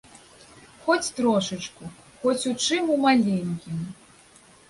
Хоць трошачку, хоць у чым у маленькім.